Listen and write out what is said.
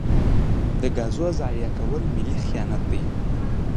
د ګازو ضایع کول ملي خیانت دی.